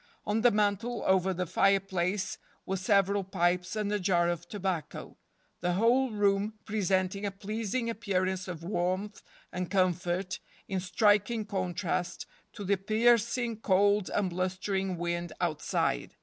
On the mantel, over the fire place, were several pipes and a jar of tobacco—the whole room presenting a pleasing appearance of warmth and com¬ fort, in striking contrast to the piercing cold and blustering wind outside.